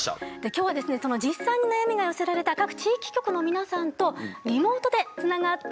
今日は実際に悩みが寄せられた各地域局の皆さんとリモートでつながっています。